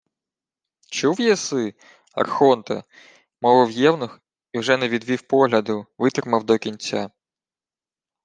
— Чув єси, архонте, — мовив євнух і вже не відвів погляду, витримав до кінця.